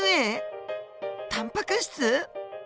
タンパク質？